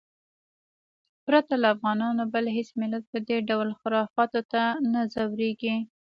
پرته له افغانانو بل هېڅ ملت په دې ډول خرافاتو نه ځورېږي.